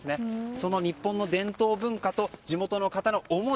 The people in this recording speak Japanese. その日本の伝統文化と地元の方の思い。